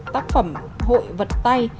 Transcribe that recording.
tác phẩm hội vật tây